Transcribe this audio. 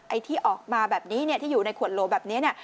ไอ้ที่ออกมาแบบนี้ที่อยู่ในขวดโหลแบบนี้